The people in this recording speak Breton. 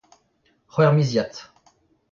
c'hwec'hmiziad